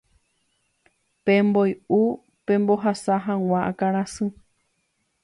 pemboy'u pembohasa hag̃ua akãrasy